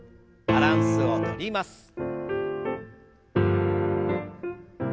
バランスをとります。